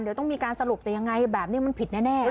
เดี๋ยวต้องมีการสรุปแต่ยังไงแบบนี้มันผิดแน่